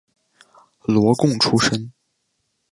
岁贡出身。